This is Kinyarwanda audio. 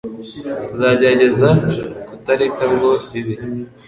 Tuzagerageza kutareka ngo bibe